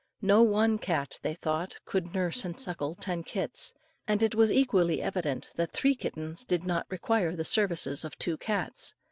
No one cat, they thought, could nurse and suckle ten kits, and it was equally evident that three kittens did not require the services of two cats.